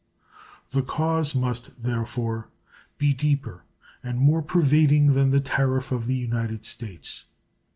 The cause must therefore be deeper and more pervading than the tariff of the United States.